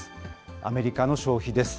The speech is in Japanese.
アメリカの消費です。